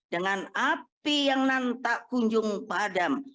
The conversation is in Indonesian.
dengan api yang nanta kunjung padam